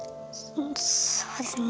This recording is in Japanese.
そうですね。